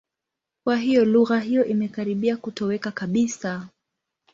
Kwa hiyo, lugha hiyo imekaribia kutoweka kabisa.